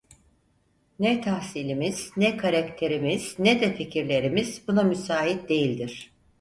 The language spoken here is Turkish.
Ne tahsilimiz, ne karakterimiz, ne de fikirlerimiz buna müsait değildir.